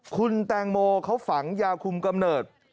คุณแตงโมเขาฝังยาคุมกำเนิด